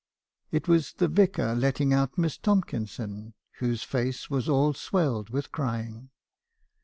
It was the Vicar letting out Miss Tomkinson , whose face was all swelled with crying.